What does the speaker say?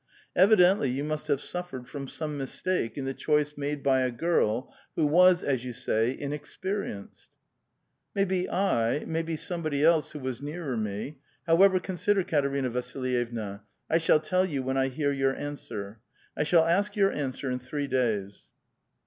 Evidently you must have suffered from some mistake in the choice made by a girl who was, as 3'ou say, inexperienced." '* Maybe I, maybe somebody else who was nearer me. However, consider, Katerina Vasilyevna. I shall tell you when I hear vour answer. I shall ask vour answer in three days.''